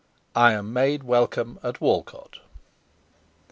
I AM MADE WELCOME AT WALCOTE.